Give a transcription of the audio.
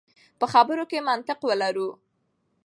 په خبرو کې منطق ولرو.